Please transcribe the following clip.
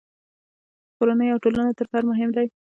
کورنۍ او ټولنه تر فرد مهمه ده.